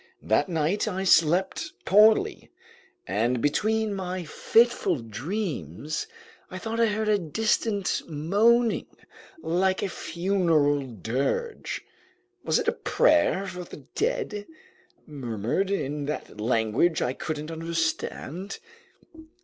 That night I slept poorly, and between my fitful dreams, I thought I heard a distant moaning, like a funeral dirge. Was it a prayer for the dead, murmured in that language I couldn't understand?